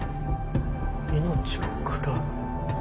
命を食らう。